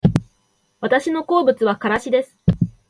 私の好物はからしです